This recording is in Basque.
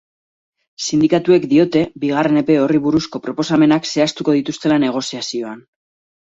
Sindikatuek diote bigarren epe horri buruzko proposamenak zehaztuko dituztela negoziazioan.